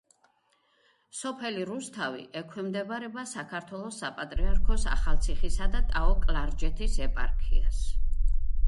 სოფელი რუსთავი ექვემდებარება საქართველოს საპატრიარქოს ახალციხისა და ტაო-კლარჯეთის ეპარქიას.